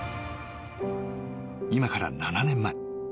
［今から７年前。